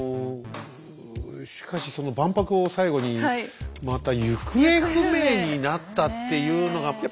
しかしその万博を最後にまた行方不明になったっていうのが。